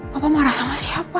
papa marah sama siapa